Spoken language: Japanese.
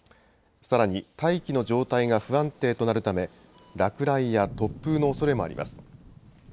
さらに大気の状態が不安定となるため落雷や突風のおそれもあります。